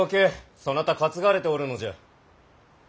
そなた担がれておるのじゃ。